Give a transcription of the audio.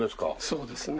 そうですね。